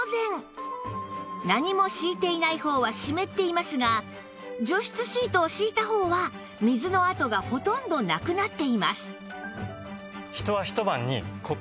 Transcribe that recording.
何も敷いていない方は湿っていますが除湿シートを敷いた方は水の跡がほとんどなくなっています